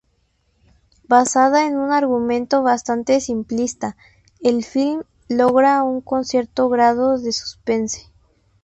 Basada en un argumento bastante simplista, el film logra un cierto grado de suspense.